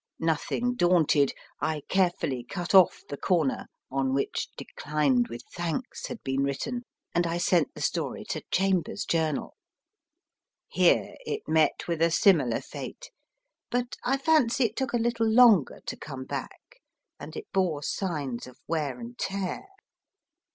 Nothing daunted, I carefully cut off the corner on which Declined with thanks had been written, and I sent the story to Chambers s Journal. Here it met with a similar fate, but I fancy it took a little longer to come back, and it bore signs of wear and tear.